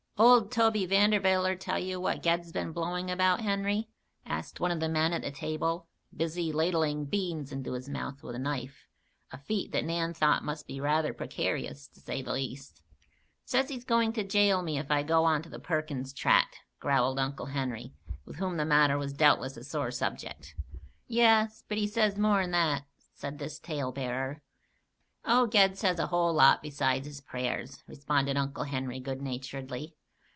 "Old Toby Vanderwiller tell you what Ged's been blowin' about, Henry?" asked one of the men at the table, busy ladling beans into his mouth with a knife, a feat that Nan thought must be rather precarious, to say the least. "Says he's going to jail me if I go on to the Perkins Tract," growled Uncle Henry, with whom the matter was doubtless a sore subject. "Yaas. But he says more'n that," said this tale bearer. "Oh, Ged says a whole lot besides his prayers," responded Uncle Henry, good naturedly.